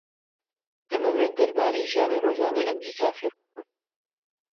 دەمەوێت دەربارەی ژیانی ڕۆژانەی ئەمریکا فێر ببم.